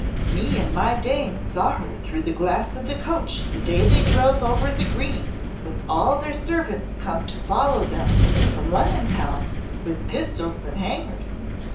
"Me and my dame saw her through the glass of the coach the day they drove over the green with all their servants come to follow them from Lunnon town with pistols and hangers.